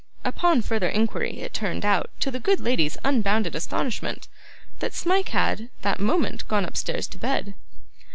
Upon further inquiry, it turned out, to the good lady's unbounded astonishment, that Smike had, that moment, gone upstairs to bed.